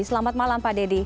selamat malam pak deddy